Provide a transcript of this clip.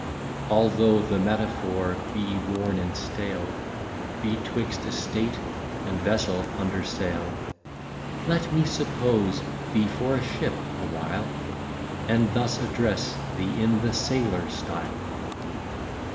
Although the metaphor be worn and stale, Betwixt a state, and vessel under sail; Let me suppose thee for a ship a while, And thus address thee in the sailor style.